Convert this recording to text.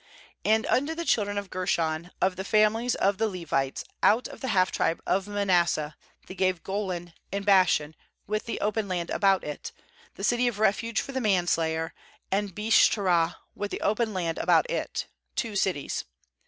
27And unto the children of Gershon, of the families of the Levites, out of the half tribe of Manasseh they gave Golan in Bashan with the open land about it, the city of refuge for the manslayer; and Beeshterah with the open land about it; two cities.